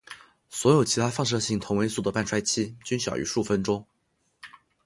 所有其他放射性同位素的半衰期均小于数分钟。